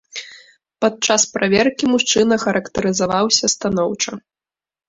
Падчас праверкі мужчына характарызаваўся станоўча.